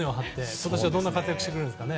今年はどんな活躍をしてくれるんですかね。